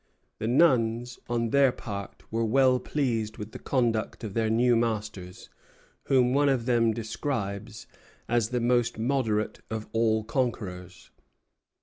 The nuns, on their part, were well pleased with the conduct of their new masters, whom one of them describes as the "most moderate of all conquerors."